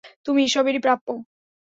তুমি এসবেরই প্রাপ্য!